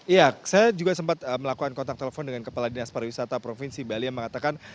iya saya juga sempat melakukan kontak telepon dengan kepala dinas pariwisata provinsi bali yang mengatakan